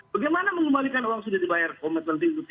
bagaimana mengembalikan uang sudah dibayar komitmen fee itu tiga kali